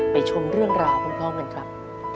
ชมเรื่องราวพร้อมกันครับ